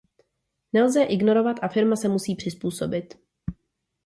Nelze je ignorovat a firma se musí přizpůsobit.